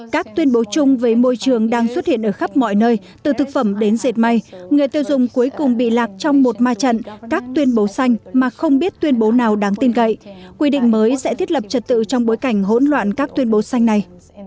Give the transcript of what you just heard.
các tuyên bố chung về môi trường đang xuất hiện ở khắp mọi nơi từ thực phẩm đến dệt may người tiêu dùng cuối cùng bị lạc trong một ma trận các tuyên bố xanh mà không biết tuyên bố nào đáng tin cậy quy định mới sẽ thiết lập trật tự trong bối cảnh hỗn loạn các tuyên bố xanh này